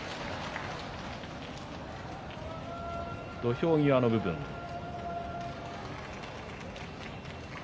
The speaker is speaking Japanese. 土俵際の部分です。